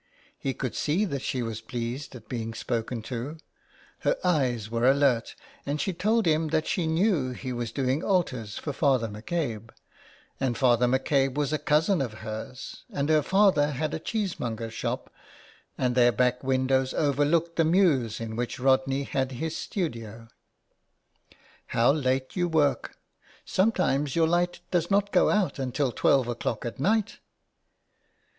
He could see that she was pleased at being spoken to. Her 14 IN THE CLAY. eyes were alert, and she told him that she knew he was doing altars for Father McCabe, and Father McCabe was a cousin of hers, and her father had a cheesemonger's shop, and their back windows over looked the mews in which Rodney had his studio. " How late you work ! Sometimes your light does not go out until twelve o'clock at night."